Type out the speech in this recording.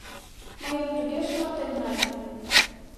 Мыйым туге шыматен нале.